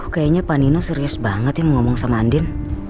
kayaknya pak nino serius banget ya mau ngomong sama andin